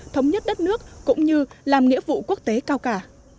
thống nhất đất nước cũng như làm nghĩa vụ quốc tế cao cả